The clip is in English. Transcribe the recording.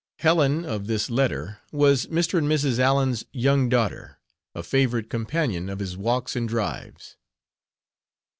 C. "Helen" of this letter was Mr. and Mrs. Allen's young daughter, a favorite companion of his walks and drives.